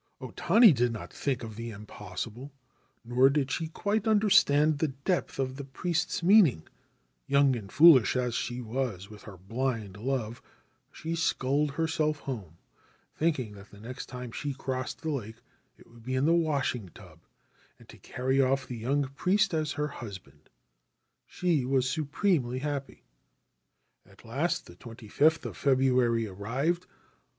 * O Tani did not think of the impossible, nor did she quite understand the depth of the priest's meaning ; young and foolish as she was with her blind love, she sculled herself home, thinking that the next time she crossed the lake it would be in the washing tub and to carry off the young priest as her husband. She was supremely happy. 50 O TANI SAN S TUB GETS SWAMPED Legends told by a Fisherman * At last the 25th of February arrived.